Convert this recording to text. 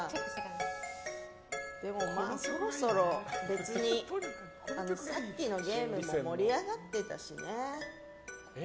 でも、そろそろ別にさっきのゲームも盛り上がってたしね。